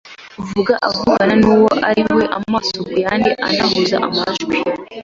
uvuga avugana n’uwo awira amaso ku yandi anahuza amajwi